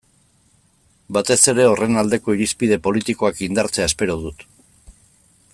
Batez ere horren aldeko irizpide politikoak indartzea espero dut.